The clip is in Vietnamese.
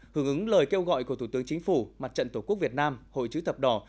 hưởng ứng lời kêu gọi của thủ tướng chính phủ mặt trận tổ quốc việt nam hội chữ thập đỏ